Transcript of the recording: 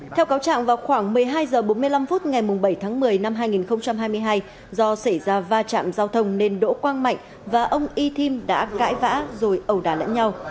theo cáo trạng vào khoảng một mươi hai h bốn mươi năm phút ngày bảy tháng một mươi năm hai nghìn hai mươi hai do xảy ra va chạm giao thông nên đỗ quang mạnh và ông y thim đã cãi vã rồi ẩu đà lẫn nhau